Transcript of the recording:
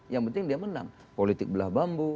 yang penting dia menang politik belah bambu